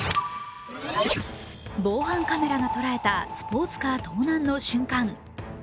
防犯カメラが捉えたスポーツカー盗難の瞬間。